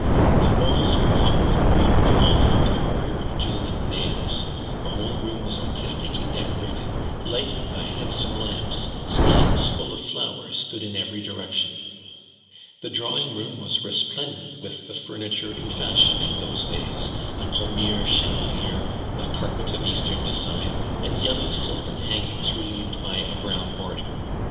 The walls were hung with green cloth with a border of gilded nails, the whole room was artistically decorated, lighted by handsome lamps, stands full of flowers stood in every direction. The drawing room was resplendent with the furniture in fashion in those days a Thomire chandelier, a carpet of Eastern design, and yellow silken hangings relieved by a brown border.